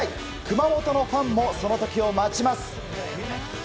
熊本のファンもその時を待ちます。